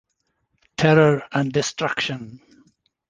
Terror and destruction.